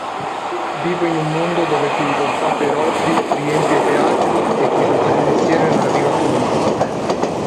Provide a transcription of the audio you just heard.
Vivo in un mondo dove chi lo fa per hobby riempie i teatri e chi lo fa di mestiere non arriva a fine mese.